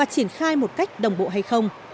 thế một cách đồng bộ hay không